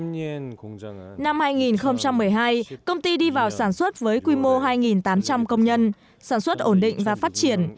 năm hai nghìn một mươi hai công ty đi vào sản xuất với quy mô hai tám trăm linh công nhân sản xuất ổn định và phát triển